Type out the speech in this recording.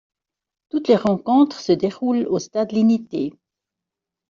Toutes les rencontres se déroulent au Stade Linité.